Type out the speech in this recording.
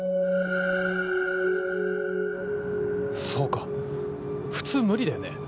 そうか普通無理だよね。